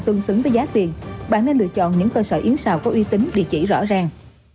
tương xứng với giá tiền bạn nên lựa chọn những cơ sở yến xào có uy tín địa chỉ rõ ràng